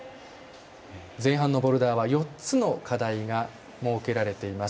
前半のボルダーは４つの課題が設けられています。